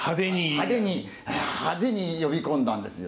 派手に呼び込んだんですよ。